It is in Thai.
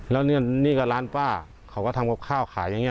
แล้วนี่ก็ร้านป้าเขาก็ทำกับข้าวขายอย่างนี้